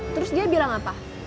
terus dia bilang apa